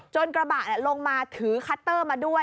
กระบะลงมาถือคัตเตอร์มาด้วย